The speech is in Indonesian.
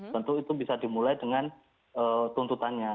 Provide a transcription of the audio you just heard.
tentu itu bisa dimulai dengan tuntutannya